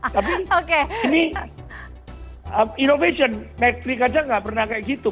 tapi ini innovation metric aja gak pernah kayak gitu